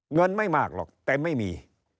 เงินไม่มากหรอกแต่ไม่มี